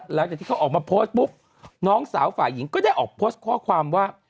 หลังจากที่เขาออกมาโพสต์ปุ๊บน้องสาวฝ่ายหญิงก็ได้ออกโพสต์ข้อความว่า